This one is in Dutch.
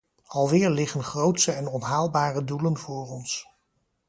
Alweer liggen grootse en onhaalbare doelen voor ons.